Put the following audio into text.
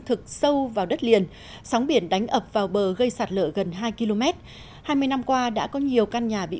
thực sâu vào đất liền sóng biển đánh ập vào bờ gây sạt lở gần hai km hai mươi năm qua đã có nhiều căn nhà bị